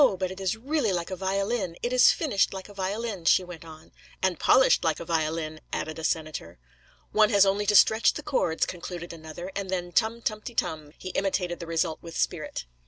but it is really like a violin. It is finished like a violin,' she went on. 'And polished like a violin,' added a senator. 'One has only to stretch the cords,' concluded another, 'and then tum tumty tum'—he imitated the result with spirit.